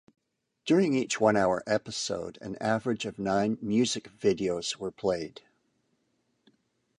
During each one-hour episode, an average of nine music videos were played.